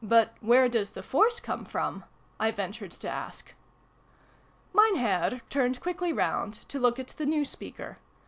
107 "But where does the force come from ?" I ventured to ask. Mein Herr turned quickly round, to look at the new speaker.